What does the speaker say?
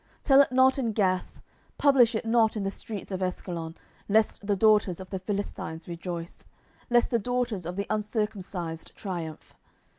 10:001:020 Tell it not in Gath, publish it not in the streets of Askelon; lest the daughters of the Philistines rejoice, lest the daughters of the uncircumcised triumph.